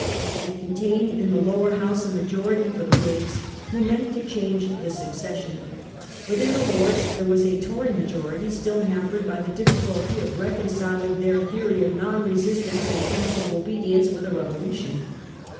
It contained in the lower House a majority for the Whigs, who meant to change the succession. But in the Lords there was a Tory majority, still hampered by the difficulty of reconciling their theory of Non Resistance and Passive Obedience with a Revolution.